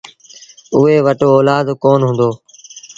اُئي وٽ اولآد ڪونا هُݩدو۔